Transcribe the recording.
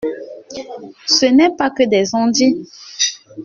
Ce n’est pas que des on-dit.